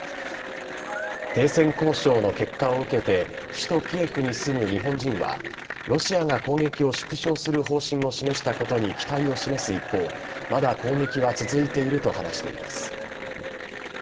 停戦交渉の結果を受けて、首都キエフに住む日本人は、ロシアが攻撃を縮小する方針を示したことに期待を示す一方、まだ攻撃は続いていると話しています。